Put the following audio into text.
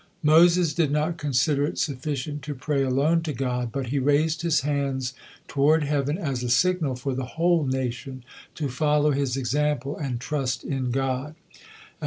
Moses did not consider it sufficient to pray alone to God, but he raised his hands toward heaven as a signal for the whole nation to follow his example and trust in God.